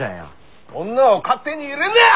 女を勝手に入れんな！